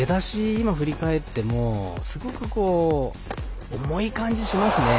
今、振り返ってもすごく重い感じ、しますね。